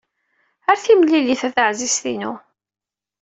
Ar timlilit a taɛzizt-inu!